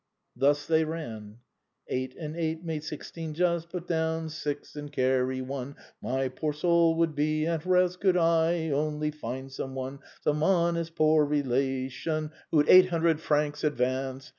Thus they ran :" Eight and eight make sixteen just. Put down six and carry one; My poor soul would be at rest Could I only find some one, Some honest poor relation, Who'd eight hundred francs advance.